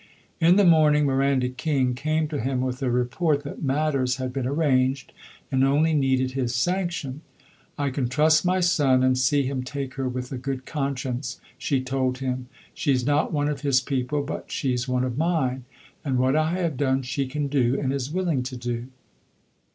In the morning Miranda King came to him with a report that matters had been arranged and only needed his sanction. "I can trust my son, and see him take her with a good conscience," she told him. "She's not one of his people, but she's one of mine; and what I have done she can do, and is willing to do."